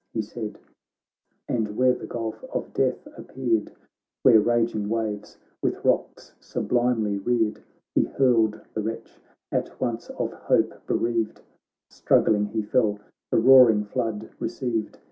He said ; and where the gulf of death appeared, Where raging waves, with rocks sub limely reared, He hurled the wretch, at once of hope bereaved ; Struggling he fell, the roaring flood re ceived.